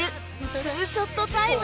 ２ショットタイム